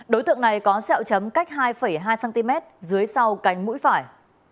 đối tượng này có xeo chấm cách hai hai cm dưới sau cánh mũi phải